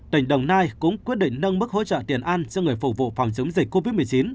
tỉnh đồng nai cũng quyết định nâng mức hỗ trợ tiền ăn cho người phục vụ phòng chống dịch covid một mươi chín